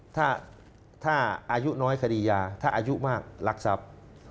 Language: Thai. ถ้าอายุน้อยคดียาถ้าอายุมากรักทรัพย์